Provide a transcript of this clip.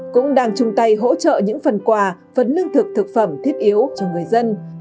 cũng đang chung tay hỗ trợ những phần quà phần lương thực thực phẩm thiết yếu cho người dân